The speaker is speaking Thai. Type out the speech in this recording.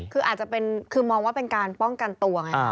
มันอาจจะมองว่าเป็นการป้องกันตัวค่ะ